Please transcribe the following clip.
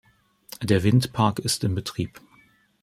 Der Windpark ist in Betrieb.